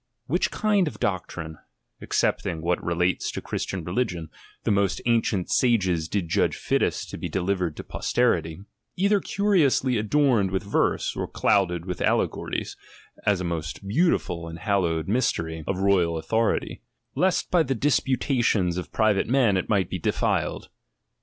Which kind of doctrine, excepting what relates to Christian religion, the most ancient sages did judge fittest to be delivered to posterity, either curiously adorned with verse, or clouded with al legories, as a most beautiful and hallowed mystery X THE PREFACE ^^^^^H of royal authority ; lest by the disputations of pn vate men it might be defiled.